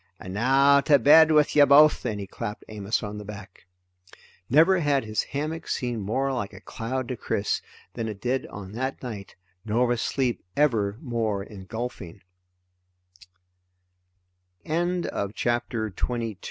And now, to bed with ye both!" and he clapped Amos on the back. Never had his hammock seemed more like a cloud to Chris than it did on that night, nor was sleep ever more eng